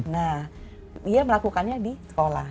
nah ia melakukannya di sekolah